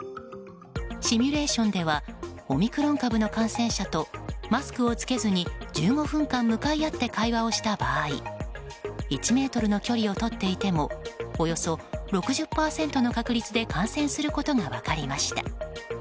シミュレーションではオミクロン株の感染者とマスクを着けずに１５分間向かい合って会話をした場合１ｍの距離をとっていてもおよそ６０％の確率で感染することが分かりました。